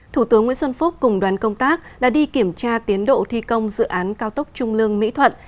thủ tướng nguyễn xuân phúc cùng đoàn công tác đã đi kiểm tra tiến độ thi công dự án cao tốc trung lương mỹ thuận